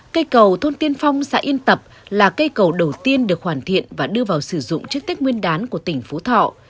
cây cầu thôn tiên phong xã yên tập là cây cầu đầu tiên được hoàn thiện và đưa vào sử dụng trước tích nguyên đán của tỉnh phú thọ